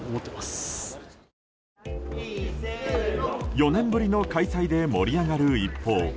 ４年ぶりの開催で盛り上がる一方